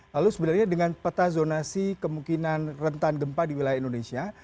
lalu sebenarnya dengan peta zonasi kemungkinan rentan gempa di wilayah indonesia